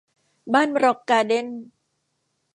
บ้านร็อคการ์เด้น